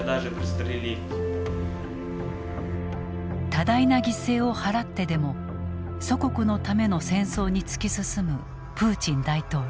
多大な犠牲を払ってでも祖国のための戦争に突き進むプーチン大統領。